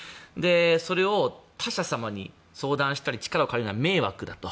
それを他者様に相談したり力を借りるのは迷惑だと。